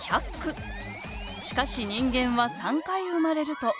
「しかし人間は三回生まれると」